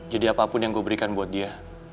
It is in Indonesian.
jadi apapun yang gue berikan buat dia